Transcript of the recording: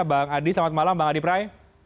bang adi selamat malam bang adi prai